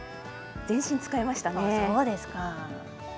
全身使いましたね。